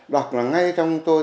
đọc là ngay trong tôi